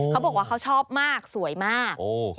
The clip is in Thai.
เขาบอกว่าเขาชอบมากสวยมาก